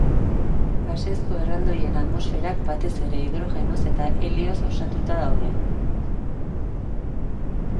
Gasezko erraldoien atmosferak batez ere hidrogenoz eta helioz osatuta daude.